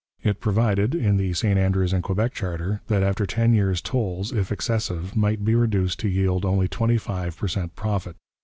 It provided, in the St Andrews and Quebec charter, that after ten years tolls, if excessive, might be reduced to yield only twenty five per cent profit.